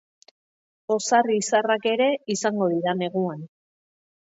Ozar-izarrak ere izango dira neguan.